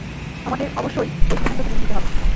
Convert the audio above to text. আমাদের অবশ্যই ওর সিদ্ধান্তকে মেনে নিতে হবে।